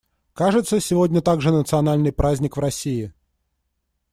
Кажется, сегодня также национальный праздник в России.